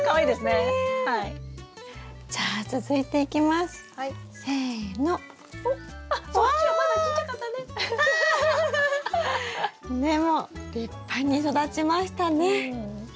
でも立派に育ちましたね。